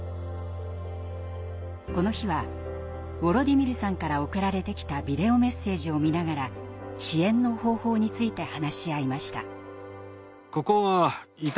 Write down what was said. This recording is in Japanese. この日はウォロディミルさんから送られてきたビデオメッセージを見ながら支援の方法について話し合いました。